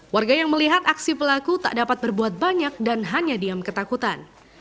warga yang melihat aksi pelaku tak dapat berbuat banyak dan hanya diam ketakutan